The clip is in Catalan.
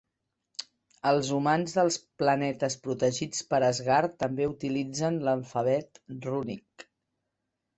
Els humans dels planetes protegits per Asgard també utilitzen l'alfabet rúnic.